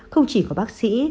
không chỉ có bác sĩ